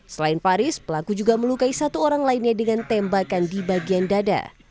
selain faris pelaku juga melukai satu orang lainnya dengan tembakan di bagian dada